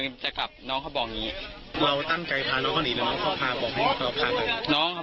คือคำให้การในกอล์ฟนี่คือคำให้การในกอล์ฟนี่คือ